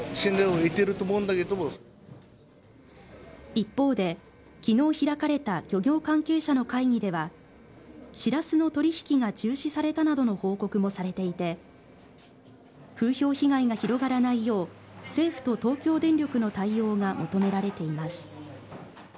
一方で、昨日開かれた漁業関係者の会議ではシラスの取引が中止されたなどの報告もされていて風評被害が広がらないよう政府と東京電力の対応が求められています。